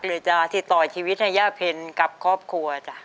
หรือจะสินต่อชีวิตให้แย่เพลงกับครอบครัวจ้ะ